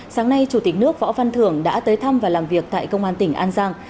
sáng nay chủ tịch nước võ văn thưởng đã tới thăm và làm việc tại công an tỉnh an giang